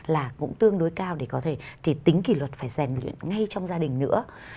là cũng tương đối cao để có thể tính kỷ luật phải rèn ngay trong gia đình nữa